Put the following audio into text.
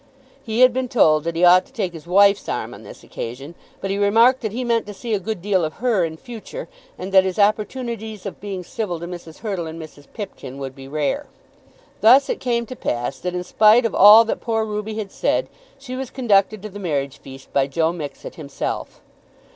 He had been told that he ought to take his wife's arm on this occasion, but he remarked that he meant to see a good deal of her in future, and that his opportunities of being civil to Mrs. Hurtle and Mrs. Pipkin would be rare. Thus it came to pass that, in spite of all that poor Ruby had said, she was conducted to the marriage feast by Joe Mixet himself.